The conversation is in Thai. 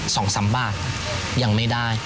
สองสามบาทยังไม่ได้